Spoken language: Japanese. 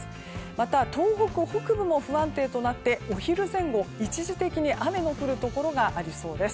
また、東北北部も不安定となってお昼前後一時的に雨の降るところがありそうです。